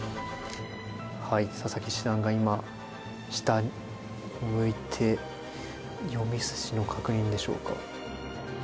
佐々木七段が今、下を向いて、読み筋の確認でしょうか。